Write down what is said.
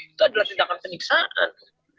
itu adalah tindakan penyiksaan